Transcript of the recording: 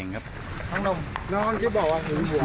กินครับแหละยังต้องกินกับค่ะ